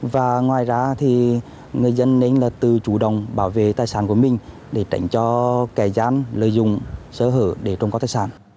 và ngoài ra thì người dân nên là từ chủ đồng bảo vệ tài sản của mình để tránh cho kẻ gián lợi dụng sở hữu để trộm cắp tài sản